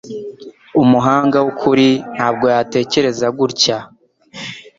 Umuhanga wukuri ntabwo yatekereza gutya